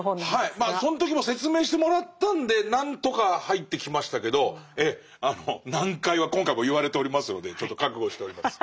その時も説明してもらったんで何とか入ってきましたけどええ難解は今回も言われておりますのでちょっと覚悟しております